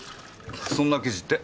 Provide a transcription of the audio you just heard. そんな記事って？